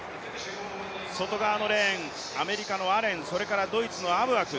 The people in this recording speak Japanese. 外側のレーン、アメリカのアレン、ドイツのアブアク